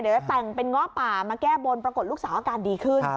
แต่งเป็นเงาะป่ามาแก้บนปรากฏลูกสาวอาการดีขึ้น